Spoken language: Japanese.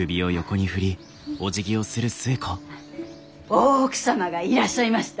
大奥様がいらっしゃいました。